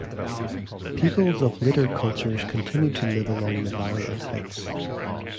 Peoples of later cultures continued to live along the valley and heights.